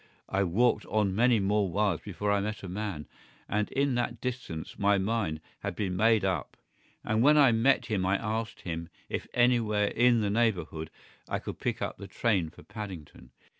I walked on many more miles before I met a man, and in that distance my mind had been made up; and when I met him I asked him if anywhere in the neighbourhood I could pick up the train for Paddington.